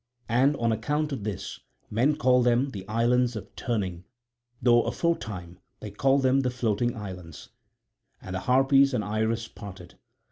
And on account of this men call them the Islands of Turning though aforetime they called them the Floating Islands. And the Harpies and Iris parted.